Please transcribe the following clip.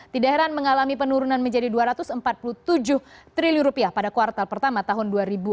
tidak heran mengalami penurunan menjadi rp dua ratus empat puluh tujuh triliun rupiah pada kuartal pertama tahun dua ribu enam belas